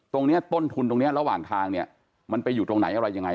ตรงนี้ต้นทุนตรงนี้ระหว่างทางเนี่ยมันไปอยู่ตรงไหนอะไรยังไง